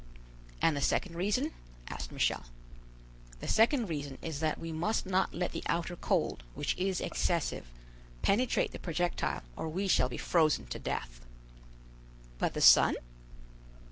"And the second reason?" asked Michel. "The second reason is that we must not let the outer cold, which is excessive, penetrate the projectile or we shall be frozen to death." "But the sun?"